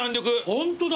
ホントだ。